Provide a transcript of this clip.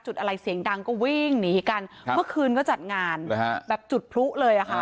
อะไรเสียงดังก็วิ่งหนีกันเมื่อคืนก็จัดงานแบบจุดพลุเลยอ่ะค่ะ